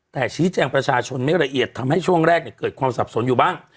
แต่ชี้แจงประชาชนไม่ละเอียดทำให้ช่วงแรกเกิดความสับสนอยู่บ้าง